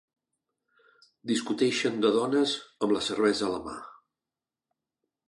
Discuteixen de dones amb la cervesa a la mà.